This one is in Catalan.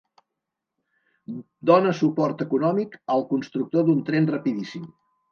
Dóna suport econòmic al constructor d'un tren rapidíssim.